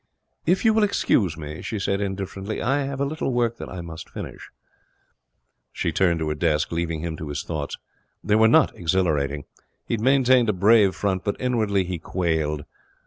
'If you will excuse me,' she said, indifferently, 'I have a little work that I must finish.' She turned to her desk, leaving him to his thoughts. They were not exhilarating. He had maintained a brave front, but inwardly he quailed.